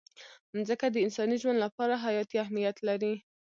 مځکه د انساني ژوند لپاره حیاتي اهمیت لري.